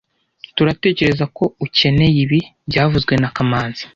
turatekerezako ukeneye ibi byavuzwe na kamanzi